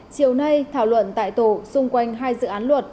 chiều nay thảo luận tại tổ xung quanh hai dự án luật